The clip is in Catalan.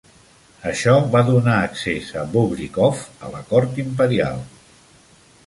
Això va donar accés a Bobrikov a la cort imperial.